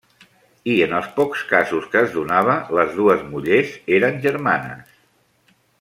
I en els pocs casos que es donava, les dues mullers eren germanes.